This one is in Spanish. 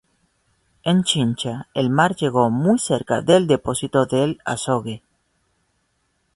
En Chincha, el mar llegó muy cerca del depósito del azogue.